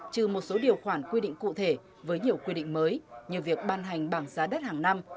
trừ một số điều khoản quy định cụ thể với nhiều quy định mới như việc ban hành bảng giá đất hàng năm